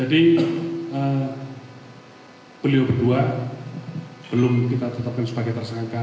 jadi beliau berdua belum kita tetapkan sebagai tersangka